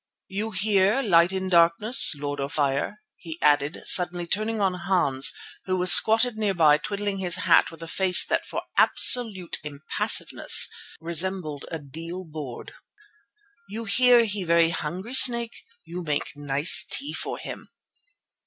You hear, Light in Darkness, Lord of the Fire," he added suddenly turning on Hans who was squatted near by twiddling his hat with a face that for absolute impassiveness resembled a deal board. "You hear, he very hungry snake, and you make nice tea for him."